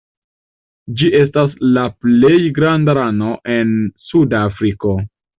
Ĝi estas la plej granda rano en Suda Afriko.